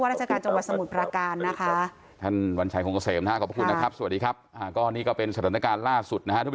รับบูรณาการในพื้นภิกษ์อ่ะครับ